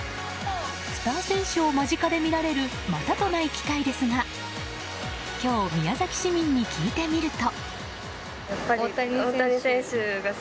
スター選手を間近で見られるまたとない機会ですが今日、宮崎市民に聞いてみると。